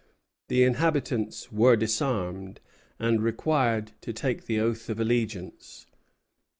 The inhabitants were disarmed, and required to take the oath of allegiance.